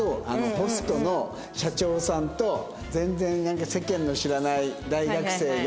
ホストの社長さんと全然なんか世間の知らない大学生が。